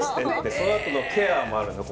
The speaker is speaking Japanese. そのあとのケアもあるんですよ。